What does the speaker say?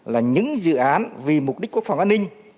là những dự án vì mục đích quốc phòng an ninh